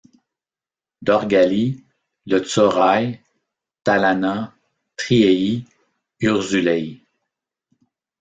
Dorgali, Lotzorai, Talana, Triei, Urzulei.